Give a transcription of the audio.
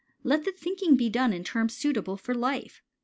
Let the thinking be done in terms suitable for life.